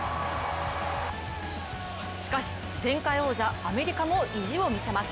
しかし、前回王者アメリカも意地を見せます。